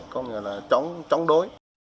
có nghĩa là chóng đối